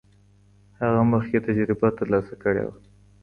هغه مخکې تجربه ترلاسه کړې وه.